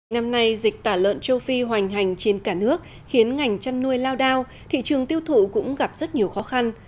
năm nay dịch tả lợn châu phi hoành hành trên cả nước khiến ngành chăn nuôi lao đao thị trường tiêu thụ cũng gặp rất nhiều khó khăn